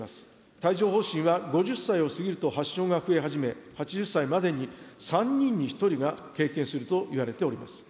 帯状ほう疹は５０歳を過ぎると発症が増え始め、８０歳までに３人に１人が経験するといわれております。